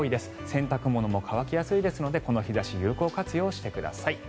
洗濯物も乾きやすいのでこの日差しを有効活用してください。